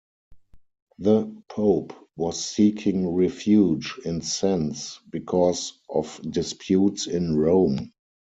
The Pope was seeking refuge in Sens because of disputes in Rome.